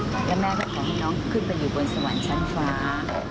แล้วแม่ก็ขอให้น้องขึ้นไปอยู่บนสวรรค์ชั้นฟ้า